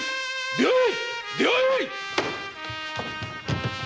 出会え！